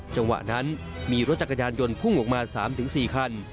จังหวะนั้นมีรถจักรยานยนต์พุ่งออกมา๓๔คัน